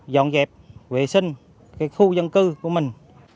dọn dẹp vệ sinh khu dân cư của mình